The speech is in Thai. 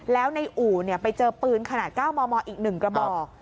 แล้วในอู่ไปเจอปืนขนาด๙มมอีก๑กระบอก